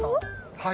はい。